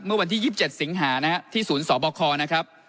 เมื่อวันที่๒๗สิงหานะฮะที่ศูนย์สบคนะครับ